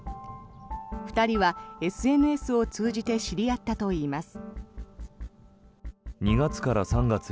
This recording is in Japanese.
２人はＳＮＳを通じて知り合ったといいます。